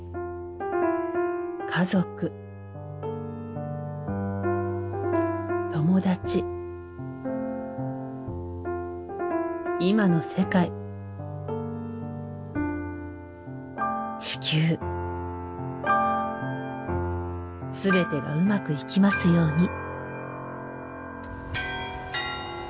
家族友達今の世界地球全てがうまくいきますように。